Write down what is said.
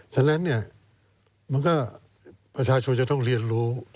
ฉะนั้นเนี่ยมันก็ประชาชนจะต้องเรียนรู้